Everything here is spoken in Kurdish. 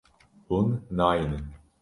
Hûn nayînin.